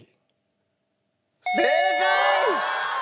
正解！